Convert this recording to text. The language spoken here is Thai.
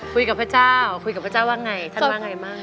คุยกับพระเจ้าคุยกับพระเจ้าว่าไงท่านว่าไงบ้าง